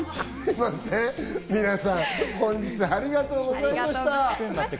馬淵さんもありがとうございました。